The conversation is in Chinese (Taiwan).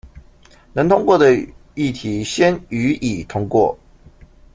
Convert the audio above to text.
能通過的議題先予以通過